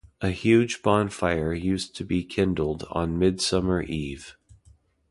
A huge bonfire used to be kindled on Midsummer Eve.